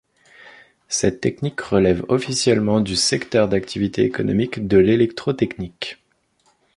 Cette technique relève officiellement du secteur d'activité économique de l'électrotechnique.